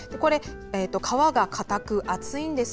皮が硬く厚いんです。